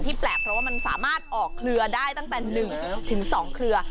แปลกเพราะว่ามันสามารถออกเครือได้ตั้งแต่๑๒เครือ